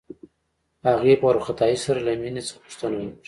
هغې په وارخطايۍ سره له مينې څخه پوښتنه وکړه.